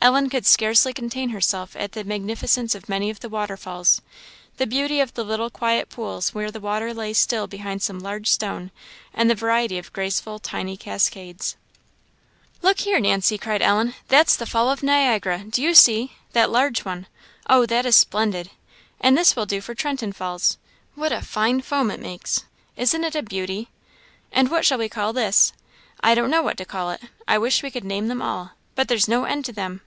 Ellen could scarcely contain herself at the magnificence of many of the waterfalls, the beauty of the little quiet pools where the water lay still behind some large stone, and the variety of graceful tiny cascades. "Look here, Nancy!" cried Ellen; "that's the Falls of Niagara do you see? that large one; oh, that is splendid! And this will do for Trenton Falls what a fine foam it makes! isn't it a beauty? And what shall we call this? I don't know what to call it; I wish we could name them all. But there's no end to them.